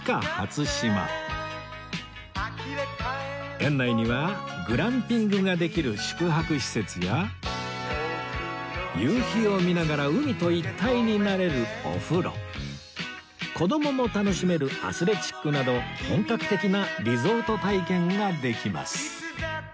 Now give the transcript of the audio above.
園内にはグランピングができる宿泊施設や夕日を見ながら海と一体になれるお風呂子供も楽しめるアスレチックなど本格的なリゾート体験ができます